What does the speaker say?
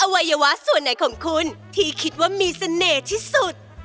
วัยวะส่วนไหนของคุณที่คิดว่ามีเสน่ห์ที่สุด